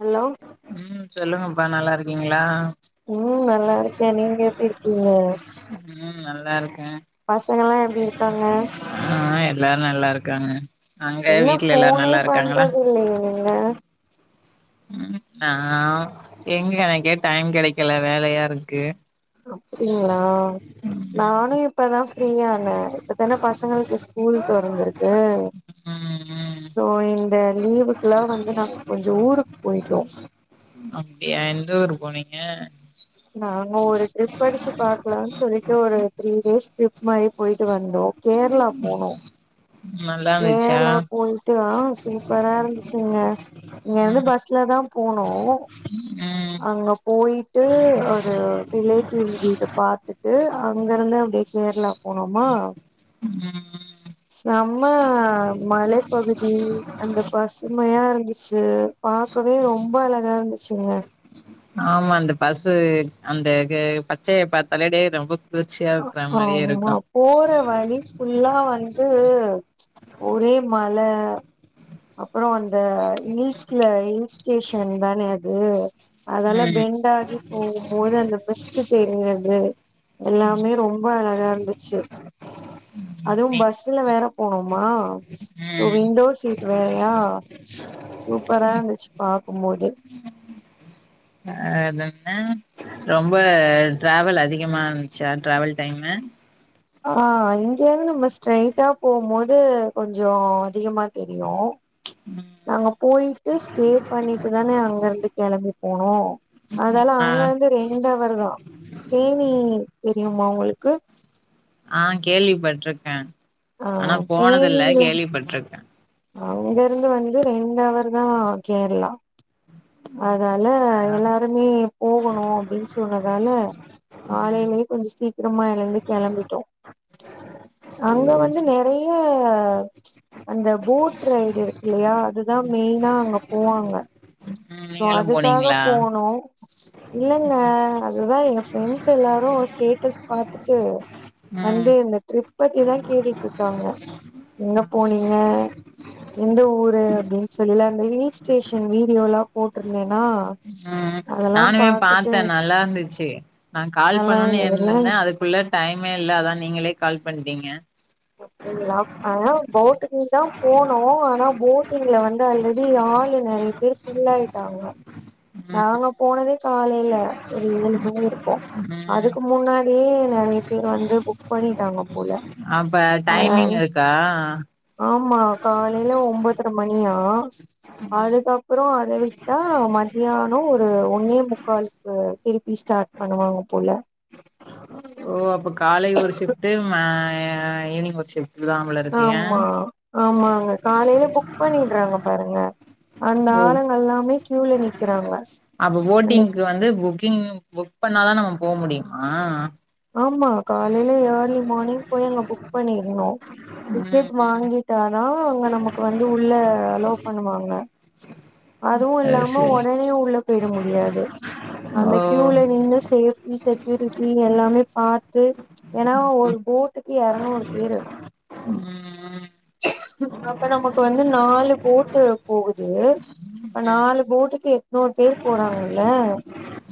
Hello ம் சொல்லுங்கப்பா நல்லா இருக்கீங்களா உம் நல்லாருக்கே நீங்க எப்டி இருக்கீங்க ம் நல்லாருக் பசங்கல்லா எப்டி இருக்காங்க ஆ எல்லாரு நல்லா இருக்காங்க அங்க இன்ன வீட்ல எல்லாரு ஃபோனே நல்லா இருக்காங்களா பண்றது இல்லையே நீங்க ம் அ எங்க எனக்கே டைம் கெடைக்கல வேலயாருக்கு அப்டிங்களா நானு இப்பதா ஃப்ரீயான இப்பதான பசங்களுக்கு ஸ்கூல் தொறந்திருக்கு ம் ம் சோ இந்த லீவுக்குல்லா வந்து நாங்க கொஞ்சோ ஊருக் போய்ட்டோ க நாங்க ஒரு ட்ரிப் படிச்சு பாக்கலான் சொல்லிட்டு ஒரு த்ரீ டேஸ் ட்ரிப் மாரி போய்ட்டு வந்தோ கேரளா போனோ நல்லா இருந்துச்சா கேரளா போயிட்டு சூப்பரா இருந்துச்சுங்க இங்க வந்து ம் பஸ்ல தா போனோ ம் அங்க போயிட்டு ஒரு ரிலேட்டிவ்ஸ் வீட பாத்துட்டு அங்க இருந்தா அப்படியே கேரளா போனோமா ம் செம்ம மலைப்பகுதி அந்த பசுமையா இருந்துச்சு பாக்கவே ரொம்ப அழகா இருந்துச்சுங்க ஆமா அந்த பசு அந்த ஆ பச்சைய பாத்தாலே டே ரொம்ப குளிர்ச்சியா இருக்கற மாரியே ஆமா இருக்கு போற வழி ஃபுல்லா வந்து ம்ச் ஒரே ம நால அப் அப்புறோ அந்த ஹில்ஸ்ல ஹில்ஸ் ஸ்டேஷன் தானே அது அதொலா பெண்டு ஆகி போகும்போது அந்த மிஸ்டு தெரியிறது எல்லாமே ரொம்ப அழகா இருந்துச்சு அதுவும் ம் பஸ்ல வேற போனோமா சோ ம் விண்டோ சீட் வேறையா சூப்பரா இருந்துச்சு பாக்குபோது ஆ அதேன்னா ரொம்ப டிராவல் அதிகமா இருந்துச்சா டிராவல் டைம்மு ஆ இங்கேந்து நம்ம ஸ்ட்ரைட்டா போம்போது கொஞ்சு அதிகமா தெரியு நாங்க போயிட்டு ஸ்டே பண்ணிட்டு தானே அங்க இருந்து கெளம்பி போனோ அதால ஆ அங்க இருந்து ரெண்ட அவர் தா தேனி தெரியுமா உங்குளுக்கு ஆ கேள்விப்பட்டிருக்கே ஆ தேனில கேள்விப்பட்ருக்கே அங்க இருந்து வந்து ரெண்டு அவர் நா கேரு ல்லா அதானால ஆ எல்லாருமே போகணு அப்படின்னு சொன்னதால ம் காலையிலயே கொஞ்சூ சீக் சீக்கிரமா எழந்து கிளம்பிட்டோ அங்க வந்து சேரி வந்து சேரி. நெறையா ம்ச் அந்த போட் ரைடு இருக்கு இல்லையா அதுதா மெயினா அங்க போவாங்க ம் சோ நீங்களு அதுக்காக போனீங்களா போனோ இல்லைங்க அதுதா எ ஃப்ரெண்ட்ஸ் எல்லாரு ஸ்டேட்டஸ் பாத்துட்டு ம் வந்து இந்த ட்ரிப் பத்திதா கேட்டுட்டு இருக்காங்க எங்க போனீங்க எந்த ஊரு அப்படின்னு சொல்லில அந்த ஹில் ஸ்டேஷன் வீடியோலா உம் நானுமே பாத்துட்டு பாத்தே நல்லா இருந்துச்சு நா கால் நல்லா பண்ணன்னனு இருந்ததுல்ல இருந்திருந்தே அதுக்குள்ள டைமே இல்ல அதா நீங்களே கால் பண்ணிட்டீங்க அப்டிங்ளா ஆனா போட்டிங்தா போனோ ஆனா போட் டிங்ல வந்து ஆல்ரெடி ஆளு நறைய பேர் ஃபில் ஆயிட்டாங்க நாங்க ம் போனதே காலையில ஒரு ஏழு மணி இருக்கும் ம் அதுக்கு முன்னா ப்டே நறைய பேர் வந்து புக் பண்ணிட்டாங்ளா போல அப்ப டைமிங் இருக்கா ம்மா காலையில ஒம்போத்துர மணியா அதுக்கப்புறோ அத விட்டா மத்தியானோ ஒரு ஒன்னே முக்கால்க்கு திருப்பி ஸ்டார்ட் பண்ணுவாங்க போல ஓ அப்போ காலை ஒரு ஷிஃப்டு ம ஈவினிங் ஒரு ஷிஃப்ட் ஆமா ஆமாங்க காலையில புக் பண்ணி ட்றாங்க பாருங்க அந்த ஆளுங்கள்ல்லாமே கியூல நிக்கிறாங்களா அப்போ போட்டிங்க்கு வந்து புக்கிங் புக் பண்ணா தா நம்ம ம் போ முடியுமா ஆமா பண்ணியிற்ணு ம் டிக்கெட் ம் வாங்கிட்டா தா அங்க நமக்கு வந்து உள்ள அலோ பண்ணுவாங்க அதுவு அது இல்லாம சரி ஒடனே உள்ள போயி ட முடியாது அந்த ஓ கியூல நீங்க சேஃப்டி செக் [unintelligible] நீங்க எல்லாமே பாத்து ஏன்னா ஒரு போட்டுக்கு எரநூறு பேரு ம் அப்ப நமக்கு வந்து நாலு போட்டு போகுது அ நாலு போட்டுக்கு எட்நூறு பேர் போறாங்கல்ல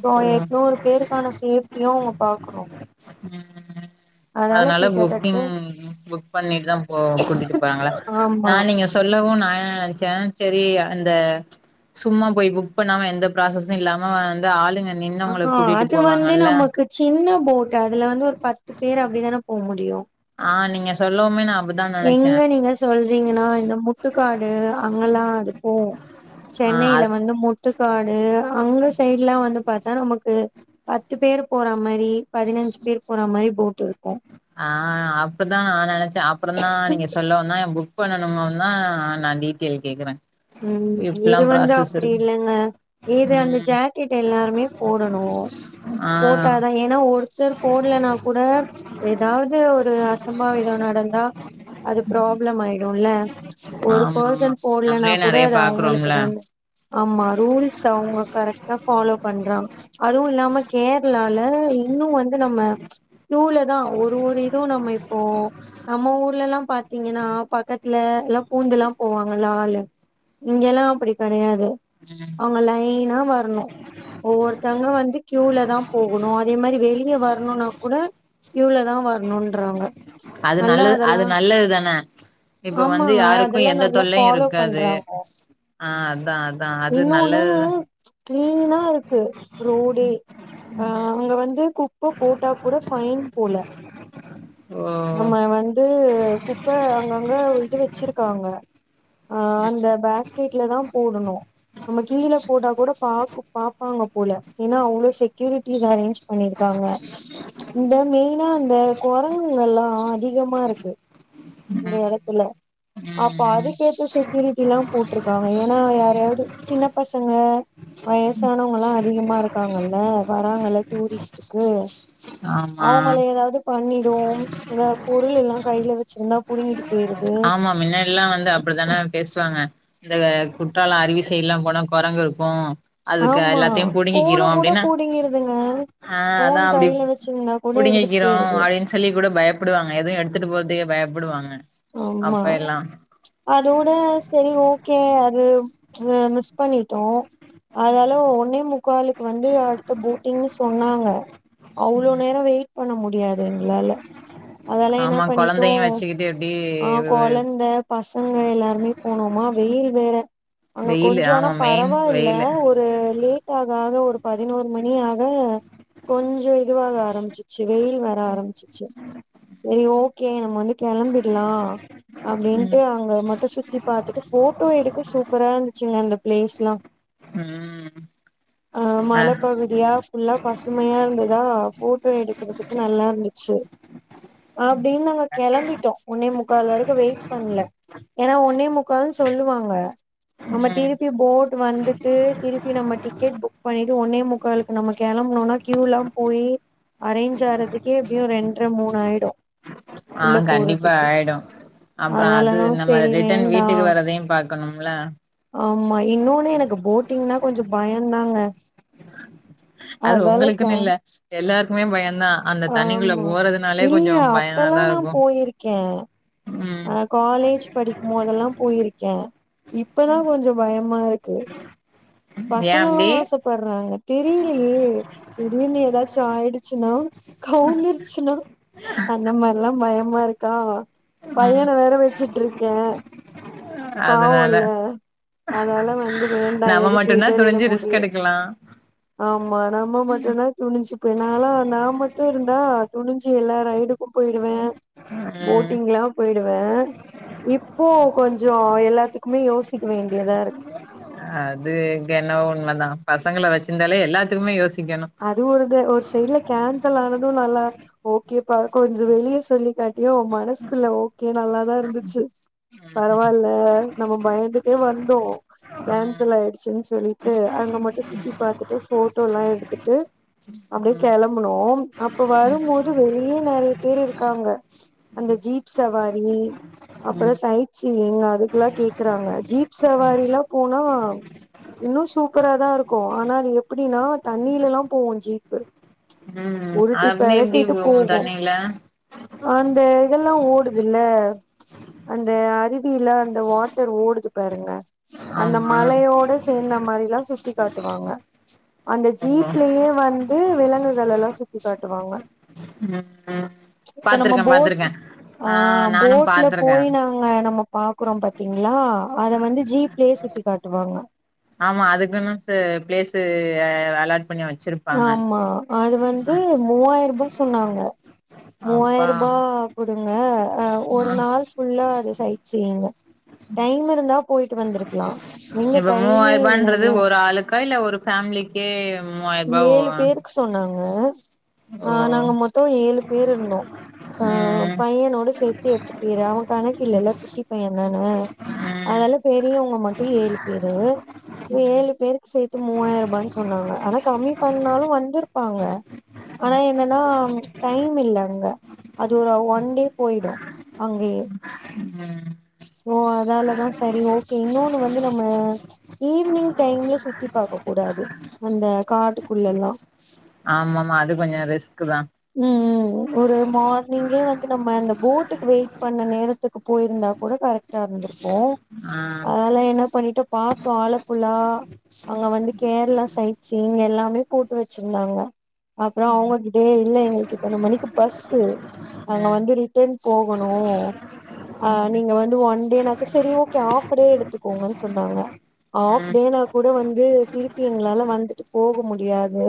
சோ ம் எட்நூறு பேருக்கான சேஃப்டியும் அவுங்க பாக்கணு ம் அதனால புக்கிங் புக் பண்ணிட்டு தான் போ கூட்டிட்டு போறாங்களா ஆமா நா நீங்க சொல்லவு நா ஏ நச்சே சேரி அ அந்த சும்மா போய் புக் பண்ணாம எந்த ப்ராசசும் இல்லாம வந்து ஆளுங்க ஆ நின்னவங்கள ஆ கூட்டிட்டு அது வந்து போவாங்கல்ல நமக்கு சின்ன போட்டு அதுல வந்து ஒரு பத்து பேர் அப் ப்டிதானே போ முடியும் ஆ நீங்க சொல்லோமே நா அப் எங்க நீங்க சொல்றீங்கன்னா இந்த முட்டுக்காடு அங்கல்லா இருக்கும் ஆ சென்னையில அது வந்து முட்டுக்காடு அங்க சைட்லா வந்து பாத்தா நமக்கு பத்து பேர் போறா மாரி பதினஞ்சு பேர் போறா மாரி போட் இருக் ஆ அப்பதா நெனச்சாப்புல னா நீங்க சொல்லோன்னா ஏன் புக் பண்ண பண்ணனுன்னா நா டீட்டெய்ல் கேக்குறே ம் இப்டிலா இது வந்து ப்ராசஸ் அப்புடி இருக்கு இல்லங்க ஏது அந்த ம் ஜாக்கெட் எல்லாருமே போடணு ஆ போட்டாதா ஏனா ஒரு தர் போட்லன்னா கூட ஏதாவது ஒரு அ அசம்பாவிதோ நடந்தா அது ப்ராப்ளம் ஆய் வெயிலா ஒரு ஆமா ஆமா பேர்சன் போடலனா நம்ளே எதோ நெறைய வா அவ்ங்களுக்கு பாக்குறோம்ல தான ஆமா ரூல்ஸ் அவ்ங்க கரெக்ட்டா ஃபாலோ பண்றாங்க அதுவு இல்லாம கேர்ளால இன்னு வந்து நம்ம க்யுலதா ஒரு ஒரு இது நம்ம இப்போ நம்ம ஊர்லலா பாத்தீங்கனா பக்கத்துலலா பூந்துலா போவாங்கள ஆளு இங்கெல்லா அப்டி கெடையாது ம் அவ்ங்க லைனா வர்ணு ஒவ்வொருத்தவ்ங்ளு வந்து க்யூல தா போகணு அதே மாரி வெளிய வரணுனா கூட க்யூல தா வரணுன்றாங்க அது நல்லா நல்ல அதெல்லா அது நல்லது தான இப்ப வந்து ஆமாங்க யாருக்கு அதெல்லா எந்த நல்லா தொல்லையு ஃபாலோ இருக்காது ஆஹ் அதா அது அதா இன்னோன்னு நல்லதுதா க்ளீனா இருக்கு ரோடே அஹ் அங்க வந்து குப்ப போட்டா கூட ஃபைன் போல ஓ நம்ம வந்து குப்ப அங்க கூட ஒரு இது வச்சிருக்காங்க ஆஹ் அந்த பாஸ் கேட்லதா போடணு நம்ம கீழ போட்டா கூட பா பாப்பாங்க போல ஏனா அவ்ளோ செக்யூரிட்டி வேலன் சொ பண்ணிருக்காங்க இந்த மே அந்த கொரங்குங்க எல்லா அதிகமா இருக்கு இந்த ம் எடத்துல அப்ப ம் ம் அதுக்கேத்த செக்யூரிட்டிலா போட்ருக் அஹ் வேனா யாரோடு சின்ன பசங்க வயசானவ்ங்களா அதிகமா இருக்காங்கல்ல வராங்கல்ல டூரிஸ்டுக்கு ஆமா பண்ணிடுவோம் இந்த பொருளெல்லா கைல வச்சிருந்தா புடுங்கிடு ஆமா முன்னாடிலா வந்து அப்டித்தானே பேசுவாங்க இந்த குற்றால அருவி சைட்லா போனா கொரங்கிருக்கு அதுக்கார் ஆமா எல்லாத்தையு ஃபோன புடுங்கிக்கிரு கூட அப்டின்னு புடுங்கிருதுங்க ஆஹ் அதா ஃபோன் அப்டி கையில வச்சிருந்தா கூட எடுத்துட்டு புடுங்கிக்கிரு போயிருது அப்டின்னு சொல்லி கூட பயப்புடுவாங்க எதுவு எடுத்துட்டு போ அதிக பயப்புடுவாங்க ஆமா அத விட செரி ஓகே அது அஹ் மிஸ் பண்ணிட்டோ அதனால ஒன்னே முக்காலுக்கு வந்து அடுத்த போட்டிங்ன்னு சொன்னாங்க அவ்ளோ நேர வெயிட் பண்ண முடியாது எங்களால அதெல்லா என்ன ஆமா பண்ணிட்டோ கொழந்தையு வச்சுக்கிட்டு எப்டி ஆஹ் கொலந்த பசங்க எல்லாருமே போனோமா வெயில் வேற அங்க வெயிலு கொஞ்சோ ஆனா ஆமா மெயின் பரவா இல்ல வெயிலு ஒரு லேட் ஆ ஆக ஒரு பதினோரு மணியாக கொஞ்சோ இதுவாக ஆரம்பிச்சிச்சு வெயில் வர ஆரம்பிச்சுச்சு சரி ஓகே நம்ம வந்து கிளம்பி ர்லா அப்டின்ட்டு ம் அங்க மட்டும் சு சுத்தி பாத்துட்டு போட்டோ எடுக்க சூப்பரா இருந்துச்சுங்க அந்த பிளேஸ்லாம் ம் ஆஹ் ஆ மலப்பகுதியா ஃபுல்லா பசுமையா இருந்ததா போட்டோ எடுக்குறதுக்கு நல்லா இருந்துச்சு அப்டின் நாங்க கெளம்பிட்டோம் ஒன்னே முக்கால் வரைக்கும் வெயிட் பண்ல ஏன்னா ஒன்னே முக்கால்னு சொல்லுவாங்க நம்ம ம் திருப்பி போட் வந்துட்டு திருப்பி நம்ம டிக்கெட் புக் பண்ணிட்டு ஒன்னே முக்காலுக்கு நம்ம கிளம்பனும்னா கியூல்லாம் போயி அரேஞ்ச் ஆறதுக்கே எப்டியும் ரெண்ர மூணியிடும் ஆஹ் கண்டிப்பா ஆயிடும் அப்புறம் அதனால அது தா நம்ம செரி ரிட்டன் வேண்டா வீட்டுக்கு வரதையும் பாக்கணும்ல ஆமா இன்னொன்னு எனக்கு போட்டிங்னா கொஞ்சோ பயோதாங்க அது உங்களுக்குன்னு இல்ல எல்லாரு குமே பய ஆமா இல்ல அப்பல்லா பயமாதா நா இருக்கு போயிருக்கே ம் அஹ் காலேஜ் படிக்கும் போதெல்லா போயிருக்கே இப்பதா கொஞ்சோ பயமா இருக்கு ஏ பசங்களு அப்டி ஆசப்படுறாங்க தெரிலேயே திடீர்னு ஏதாச்சு ஆயிடுச்சுனா கவுந்துருச்சுனா அந்த மாரிலா பயமா இருக்கா ம் பையன வேற வெச்சுட்டிருக் கே அதனால பாவோல்ல அதால வந்து வேண்டா நம்ம எதுக்கு மட்டும்னா விபரீத துணிஞ்சு ரிஸ்க் முடிவு எடுக்கலா ஆமா நம்ம மட்டுனா துணிஞ்சுப்ப நாலா நா மட்டு இருந்தா துணிஞ்சு எல்லா ரைடுக்கு போயிடுவே ம் போட்டிங்லா போயிடுவே இப்போ கொஞ்சோ எல்லாத்துக்குமே யோசிக்க வேண்டியதா இருக் அது என்னவோ உண்மதா பசங்கள வச்சிருந்தாலே எல்லாத்துக்குமே யோசி அது ஒரு க ஒரு சைட்ல கேன்சல் ஆனது து நல்லா ஓகேப்பா கொஞ்சோ வெளிய சொல்லிக்காட் யோ மனசுக்குள்ள ஓகே நல்லாதா இருந்துச்சு பரவால நம்ப பயந்துட்டே வந்தோ கேன்சல் ஆயிடுச்சுன்னு சொல்லிட்டு அங்க மட்டு சுத்தி பாத்துட்டு ஃபோட்டோலா எடுத்துட் டு அப்டியே கெளம்புனோ அப்ப வரும்போது வெளியே நெறைய பேர் இருக்காங்க அந்த ஜீப் சவாரி அப்றோ ம் சைட் சீயிங் அதுக்குல்லா கேக்குறாங்க ஜீப் சவாரிலா போனா இன்னு சூப்பரா தா இருக்கு ஆனா அது எப்டின்னா தண் நீல்லலா போவோ ஜீப்பு உருட்டி அப்டி எப்டி பெரட்டிட்டு போவோ போகு தண்ணில அந்த இதெல்லா ஓடுதுல அந்த அறிப் கீல அந்த வாட்டர் ஓடுது பருங்க அந்த ஆமா மலையோட சேந்தா மாரிலா சுத்தி காட்டுவாங்க அந்த ஓ ஜீப்லயே வந்து விலங்குகளல்லா சுத்தி காட்டுவாங்க ம் இப்ப நம்ம பாத்துருக்கே போட் பாத்துருக்கே ஆ ஆஹ் நானு போட்ல போய் பாத்துருக்கே நாங்க நம்ப பாக்குறோ பாத்தீங்களா அத வந்து ஜிப்லயே சுத்தி காட்டுவாங்க ஆமா அதுக்குன்ன ச பிளேஸ்சு அலாட் பண்ணி வெச் ஆமா அது வந்து மூவாயிரூபா சொன்னாங்க அப்பா மூவாயிரூபா கொடுங்க அஹ் ஒரு ஆ நாள் ஃபுல்லா அது சை செரிங்க டைமிருந்தா போய்ட்டு வந்திருக்கலா எங்க இப்ப டைமே மூவாயிரூபான்றது இல்லல்ல ஒரு ஆளுக்கு கையில ஒரு ஃபேமிலிக்கே மூவாயிர ரூபா ஏலு பேருக்கு சொன்னாங்க ஓ ஓ ஆஹ் நாங்க மொத்தோ ஏலு பேர் இருந்தோ அஹ் ம் பையனோட சேத்து எட்டு பேரு அவ கணக்கில்லல்ல குட்டி பைய தானே ம் அதால பெரிய வங்க மட்டு ஏலு பேரு சோ ஏலு பேருக்கு சேத் மூவாயிரூபான்னு சொன்னாங்க ஆனா கம்மி பண்ணாலு வந்துருப்பாங்க ஆனா என்னன்னா டைம் இல்ல அங்க அது ஒரு ஒன் டே போயிடு அங்கயே உம் சோ அதாலதா சரி ஓகே இன்னொன்னு வந்து நம்ம ஈவினிங் டைம்ல சுத்தி பாக்கக் கூடாது அந்த காட்டுக்குள்ளலா ஆமமா அது கொஞ்சோ ரிஸ்க்கு தா ம் ம் ஒரு மார்னிங்கே வந்து நம்ம அந்த போட்டுக்கு வெயிட் பண்ண நேரத்துக்கு போயிருந்தா கூட கரெக்ட் கரட்டா இருந்திருக்கு ஆ அதெல்லா என்ன பண்ணிட்டோ பாத்தோ ஆலப்புழா அங்க வந்து கேரளா சைட் இங்க எல்லாமே போட்டு வச்சிருந்தாங்க அப்புறோ அவுங்ககிட்டயே இல்ல எங்களுக்கு இத்தன மணிக்கி பஸ்ஸு நாங்க ம் வந்து ரிட்டன் போகணு அஹ் நீங்க வந்து ஒன் டேனாக்கா செரி ஓகே ஹப்ஃடே எடுத்துக்கோங்கன் சொன்னாங்க ம் ஹாப்ஃடேனா கூட வந்து திருப்பி எங்களால வந்து போக முடியாது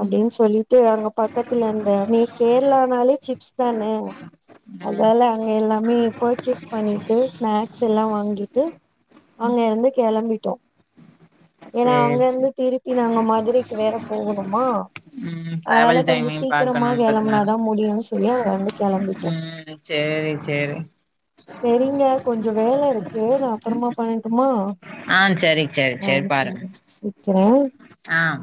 அப்டின்னு சொல்லிட்டு அங்க பக்கத்துல இருந்த நீ கேரளானாலே சிப்ஸ் தான ம் அதால அங்க எல்லாமே பர்ச்சேஸ் பண்ணிட்டு ஸ்நாக்ஸ் எல்லா வாங்கிட்டு அங்கருந்து கெளம்பிட்டோ ஏனா சேரி அங்கருந்து சேரி திருப் இதுல நாங்க மதுரைக்கு வேற போகணுமா ம் அதனால டிராவல் கொஞ்சோ டைமையு சீக்கிரமா பாக்கணுன்றதுனால கெளம்பனாதா முடியுன்னு சொல்லி அங்கருந்து கெளம்பிட்டோ ம் சேரி சேரி சேரிங்க கொஞ்சோ வேலருக்கு நா அப்புற மா பண்ணட்டுமா ஆஹ் செரி செரி ஆ செரி பாருங்க வெக்கிறே ஆஹ்